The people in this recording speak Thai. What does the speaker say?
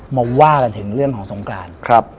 มาว่ากันถึงเรื่องของสงกราน